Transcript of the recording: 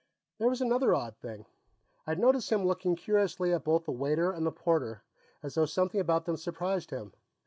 There was another odd thing. I'd noticed him looking curiously at both the waiter and the porter, as though something about them surprised him.